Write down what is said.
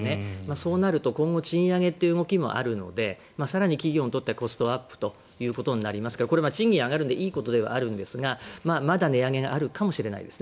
そうなると今後賃上げという動きもあるので更に企業にとってはコストアップとなりますからこれは賃金が上がるのでいいことではありますがまだ値上げがあるかもしれないですね。